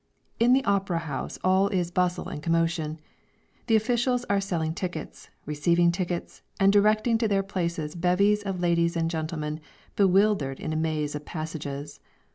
In the opera house all is bustle and commotion. The officials are selling tickets, receiving tickets, and directing to their places bevies of ladies and gentlemen bewildered in a maze of passages.